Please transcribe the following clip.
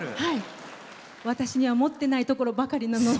私には持ってないところばかりなので。